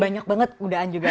banyak banget mudaan juga